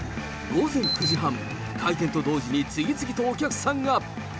午前９時半、開店と同時に次々とお客さんが。